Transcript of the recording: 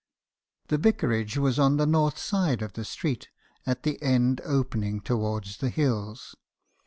"The vicarage was on the north side of the street, at the end opening towards the hills.